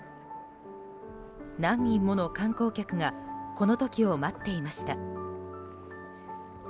何人もの観光客がこの時を待っていました。